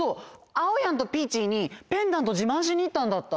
あおやんとピーチーにペンダントじまんしにいったんだった。